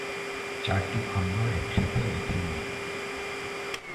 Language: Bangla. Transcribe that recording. চারটি খণ্ড একসাথে লেখেন নি।